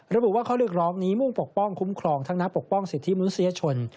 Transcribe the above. ระบุว่าข้อเรียกร้องนี้มุ่งปกป้องคุ้มครองทั้งนักปกป้องสิทธิมนุษยชน